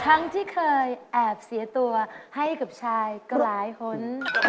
ทั้งที่เคยแอบเสียตัวให้กับชายก็หลายคน